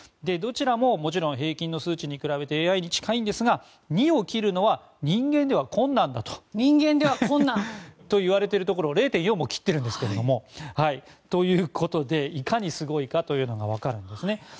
どちらも平均の数値に比べてＡＩに近いんですが２を切るのは人間では困難だといわれているところ０．４も切っているんですけどということで、いかにすごいかが分かるんですね。